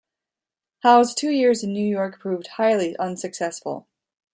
Howe's two years in New York proved highly unsuccessful.